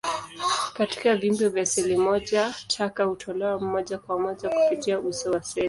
Katika viumbe vya seli moja, taka hutolewa moja kwa moja kupitia uso wa seli.